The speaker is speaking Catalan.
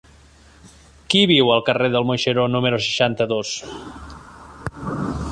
Qui viu al carrer del Moixeró número seixanta-dos?